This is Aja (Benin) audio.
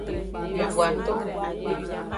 Wivon-aton.